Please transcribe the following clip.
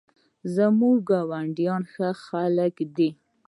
زموږ ګاونډیان ښه خلک دي